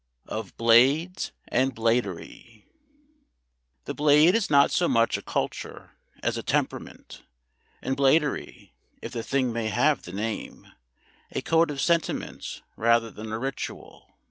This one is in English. OF BLADES AND BLADERY The Blade is not so much a culture as a temperament, and Bladery if the thing may have the name a code of sentiments rather than a ritual.